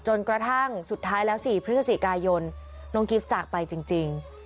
จนกระทั่งสุดท้ายแล้ว๔พฤศจิกายนน้องกิฟต์จากไปจริง